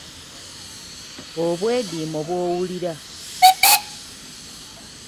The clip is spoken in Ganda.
Obwediimo bw’owulira.